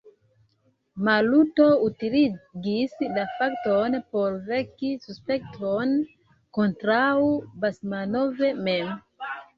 Maluto utiligis la fakton por veki suspekton kontraŭ Basmanov mem.